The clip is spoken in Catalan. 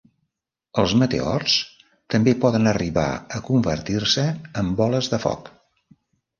Els meteors també poden arribar a convertir-se en boles de foc.